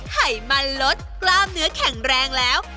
ไขมันลดกล้ามเนื้อแข็งแรงแล้ว